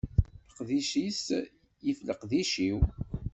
Leqdic-is yif leqdic-iw.